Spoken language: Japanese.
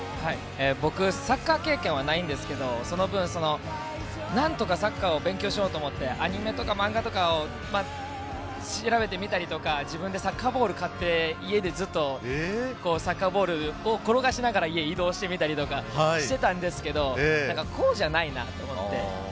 僕はサッカー経験ないんですが、何とかサッカーを勉強しようと思って、アニメとか漫画とかを調べてみたりとか、自分でサッカーボールを買って、家でずっとサッカーボールを転がしながら、家を移動してみたいとかしていたんですけど、こうじゃないなと思って。